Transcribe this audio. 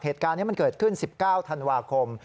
เหตุการณ์นี้มันเกิดขึ้น๑๙ธันวาคม